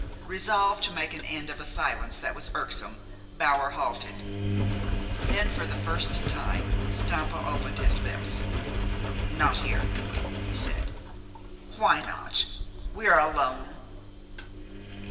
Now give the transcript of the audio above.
Resolved to make an end of a silence that was irksome, Bower halted. Then, for the first time, Stampa opened his lips. "Not here," he said. "Why not? We are alone."